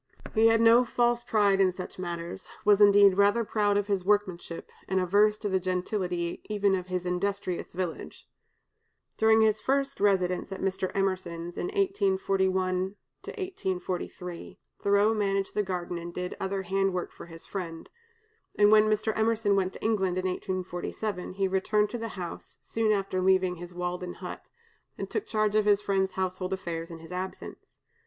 He had no false pride in such matters, was, indeed, rather proud of his workmanship, and averse to the gentility even of his industrious village. During his first residence at Mr. Emerson's in 1841 43, Thoreau managed the garden and did other hand work for his friend; and when Mr. Emerson went to England in 1847, he returned to the house (soon after leaving his Walden hut), and took charge of his friend's household affairs in his absence.